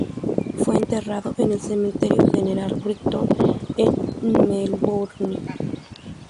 Fue enterrado en el Cementerio General Brighton en Melbourne.